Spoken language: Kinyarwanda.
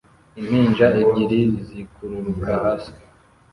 impinja ebyiri zikururuka hasi